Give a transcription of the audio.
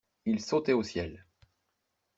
Il sautait au ciel.